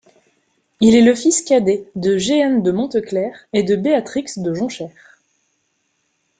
Il est le fils cadet de Jehan de Montecler et de Béatrix de Jonchères.